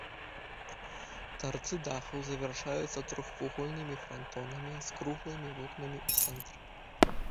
Тарцы дахаў завяршаюцца трохвугольнымі франтонамі з круглымі вокнамі ў цэнтры.